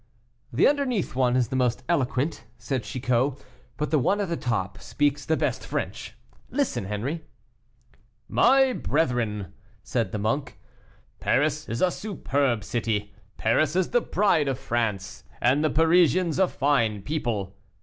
"The underneath one is the most eloquent," said Chicot, "but the one at the top speaks the best French; listen, Henri." "My brethren," said the monk, "Paris is a superb city; Paris is the pride of France, and the Parisians a fine people."